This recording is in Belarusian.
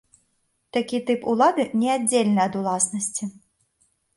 Такі тып улады неаддзельны ад уласнасці.